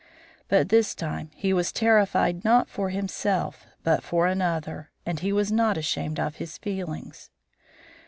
But this time he was terrified not for himself but for another, and he was not ashamed of his feelings.